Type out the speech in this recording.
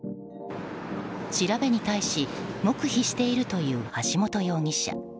調べに対し黙秘しているという橋本容疑者。